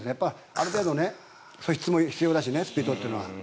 ある程度、素質も必要だしねスピードというのは。